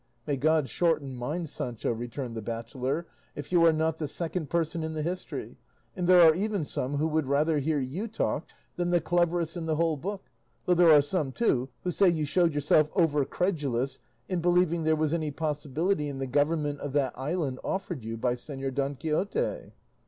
"May God shorten mine, Sancho," returned the bachelor, "if you are not the second person in the history, and there are even some who would rather hear you talk than the cleverest in the whole book; though there are some, too, who say you showed yourself over credulous in believing there was any possibility in the government of that island offered you by Señor Don Quixote."